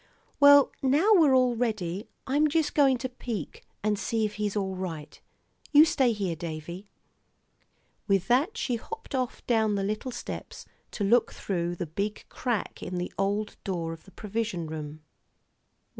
"Well, now we're all ready. I'm just going to peek and see if he's all right. You stay here, Davie." With that she hopped off down the little steps to look through the big crack in the old door of the provision room.